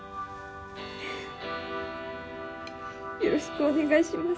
よろしくお願いします。